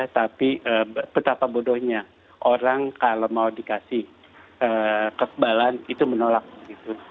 tapi betapa bodohnya orang kalau mau dikasih kekebalan itu menolak gitu